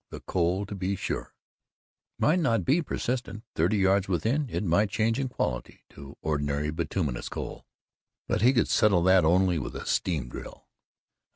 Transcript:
The coal, to be sure, might not be persistent thirty yards within it might change in quality to ordinary bituminous coal, but he could settle that only with a steam drill.